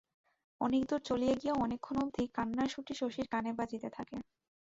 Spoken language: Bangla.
অনেকদূর চলিয়া গিয়াও অনেকক্ষণ অবধি কান্নার সুরটি শশীর কানে বাজিতে থাকে।